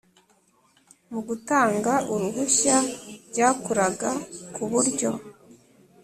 Mu gutanga uruhushya byakoraga ku buryo